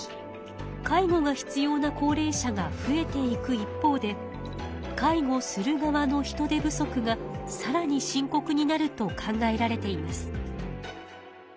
介護が必要な高齢者が増えていく一方で介護する側の人手不足がさらに深こくになると考えられています。